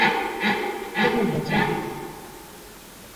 কে বললে চায় না?